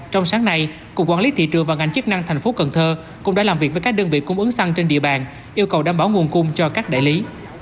trong sáng nay cục quản lý thị trường và ngành chức năng thành phố cần thơ cũng đã làm việc với các đơn vị cung ứng xăng trên địa bàn yêu cầu đảm bảo nguồn cung cho các đại lý